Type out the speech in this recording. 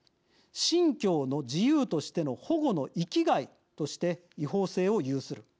信教の自由としての保護の域外として違法性を有する。